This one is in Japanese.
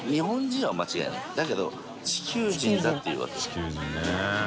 地球人ね。